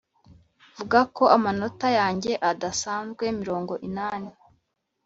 vuga ko amanota yanjye adasanzwe mirongo inani,